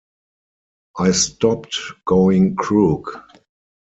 I stopped going crook.